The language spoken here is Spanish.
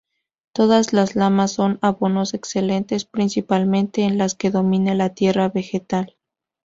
Todas las lamas son abonos excelentes, principalmente en las que domine la tierra vegetal.